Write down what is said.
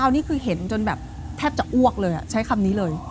อันนี้คือเห็นจนแบบแทบจะอ้วกเลยใช้คำนี้เลย